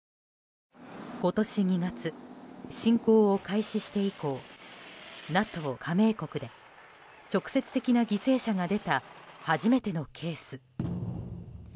今年２月、侵攻を開始して以降ＮＡＴＯ加盟国で直接的な犠牲者が出た初めてのケース。